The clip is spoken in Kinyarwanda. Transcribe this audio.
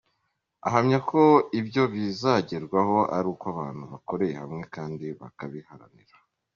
Ahamya ko ibyo bizagerwaho ari uko abantu bakoreye hamwe kandi bakabiharanira.